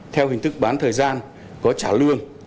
theo hình thức bán thời gian có trả lương